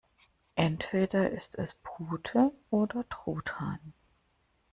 Entweder ist es Pute oder Truthahn.